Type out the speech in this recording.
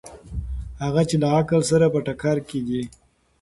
هغه چې له عقل سره په ټکر کې دي.